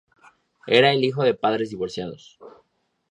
Era el hijo de padres divorciados.